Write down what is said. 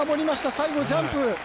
最後、ジャンプ。